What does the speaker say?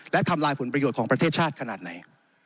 และทำลายผลประโยชน์ของประเทศชาติขนาดไหน